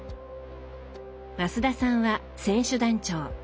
増田さんは選手団長。